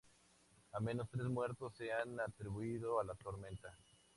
Al menos tres muertes se han atribuido a la tormenta.